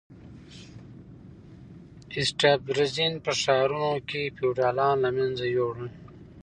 اسټپان رزین په ښارونو کې فیوډالان له منځه یوړل.